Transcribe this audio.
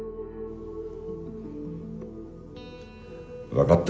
分かった。